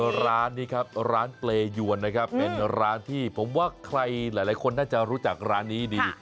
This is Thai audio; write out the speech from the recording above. ร้านนี้ครับร้านเปรยวนนะครับเป็นร้านที่ผมว่าใครหลายคนน่าจะรู้จักร้านนี้ดี